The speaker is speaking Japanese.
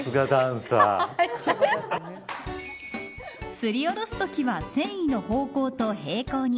すりおろすときは繊維の方向と平行に。